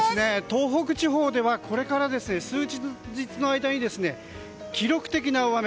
東北地方ではこれから数日の間に記録的な大雨。